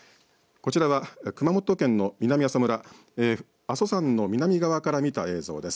こちらは熊本県の南阿蘇村、阿蘇山の南側から見た映像です。